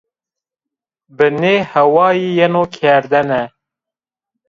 Bi nê hawayî yeno kerdene